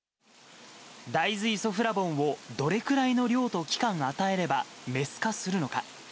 大豆イソフラボンをどれくらいの量と期間与えれば、メス化するのか。